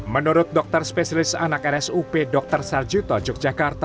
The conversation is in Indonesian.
menurut dokter spesialis anak rsup dr sarjito yogyakarta